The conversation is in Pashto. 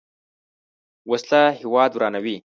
وسله هیواد ورانوي